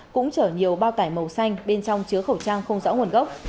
cũng chở nhiều bao tải màu xanh bên trong chứa khẩu trang không rõ nguồn gốc